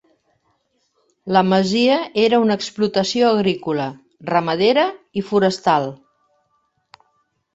La masia era una explotació agrícola, ramadera i forestal.